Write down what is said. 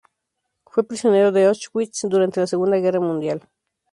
Fue prisionero de Auschwitz durante de la Segunda Guerra Mundial.